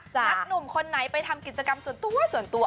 นักหนุ่มคนไหนไปทำกิจกรรมส่วนตัวส่วนตัว